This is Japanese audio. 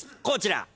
こちら。